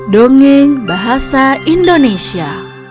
dongeng bahasa indonesia